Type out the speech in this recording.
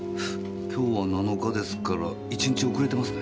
今日は７日ですから１日遅れてますね。